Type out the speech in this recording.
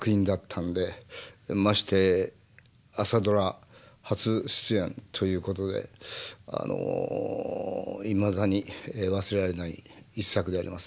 まして「朝ドラ」初出演ということであのいまだに忘れられない一作でありますね。